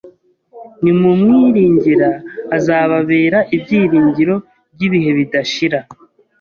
nimumwiringira azababera ibyiringiro byibihe bidashira